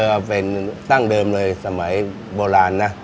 ก็เป็นตั้งเดิมเลยสมัยโบราณนะ